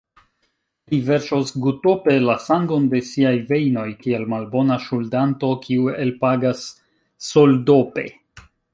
Li verŝos gutope la sangon de siaj vejnoj, kiel malbona ŝuldanto, kiu elpagas soldope.